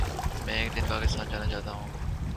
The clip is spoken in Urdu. میں ایک دن پاکستان جانا چاہتاہوں